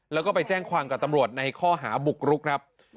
แล้วก็ไปแจ้งความกับตำรวจในข้อหาบุกรุกครับ